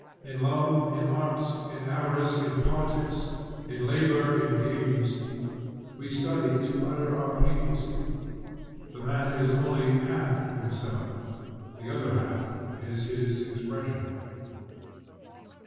In love, in art, in avarice, in politics, in labor, in games, we study to utter our painful secret. The man is only half himself, the other half is his expression.